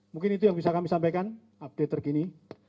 mungkin itu yang bisa kami sampaikan update terkini